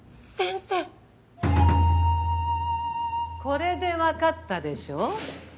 これで分かったでしょう？